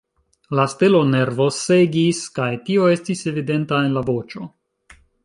La stelo nervosegis, kaj tio estis evidenta en la voĉo.